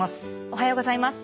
おはようございます。